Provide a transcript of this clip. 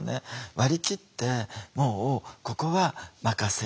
割り切ってもうここは任せる。